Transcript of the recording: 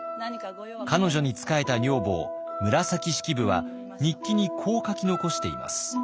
彼女に仕えた女房紫式部は日記にこう書き残しています。